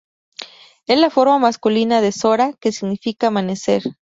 Es la forma masculina de "Zora", que significa "amanecer".